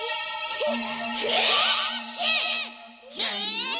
へっ！？